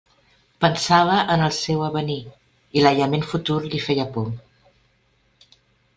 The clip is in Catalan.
Pensava en el seu avenir, i l'aïllament futur li feia por.